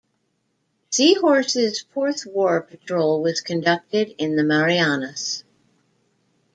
"Seahorse"'s fourth war patrol was conducted in the Marianas.